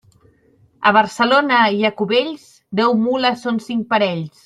A Barcelona i a Cubells, deu mules són cinc parells.